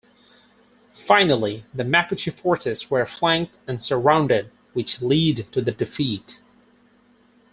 Finally, the Mapuche forces were flanked and surrounded, which lead to their defeat.